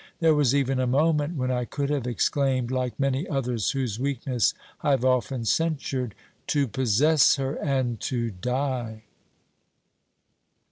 There was even a moment when I could have exclaimed, like many others whose weakness I have often censured : To possess her and to die